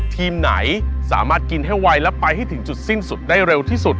ทีมไหนสามารถกินให้ไวและไปให้ถึงจุดสิ้นสุดได้เร็วที่สุด